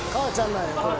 なんやこれ。